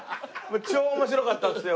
超面白かったんですよ